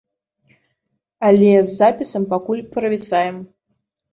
Але з запісам пакуль правісаем.